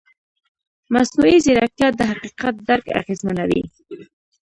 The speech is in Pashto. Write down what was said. مصنوعي ځیرکتیا د حقیقت درک اغېزمنوي.